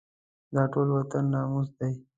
دا ټول وطن ناموس دی.